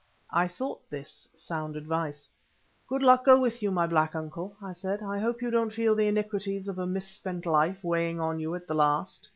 I thought this sound advice. "Good luck go with you, my black uncle," I said. "I hope you don't feel the iniquities of a mis spent life weighing on you at the last."